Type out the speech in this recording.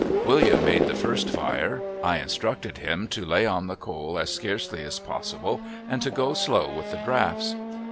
William made the first fire. I instructed him to lay on the coal as scarcely as possible, and to go slow with the draughts.